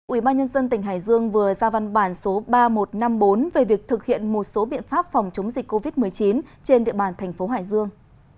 ubnd tỉnh hải dương vừa ra văn bản số ba nghìn một trăm năm mươi bốn về việc thực hiện một số biện pháp phòng chống dịch covid một mươi chín trên địa bàn thành phố hải dương